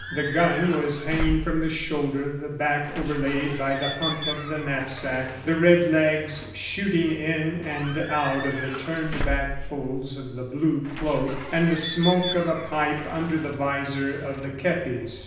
The gun was hanging from the shoulder, the back overlaid by the hump of the knapsack, the red legs shooting in and out of the turned back folds of the blue cloak, and the smoke of a pipe under the visor of the kepis.